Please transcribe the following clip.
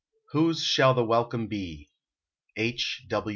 WHOSE SHALL THE WELCOME BE? H.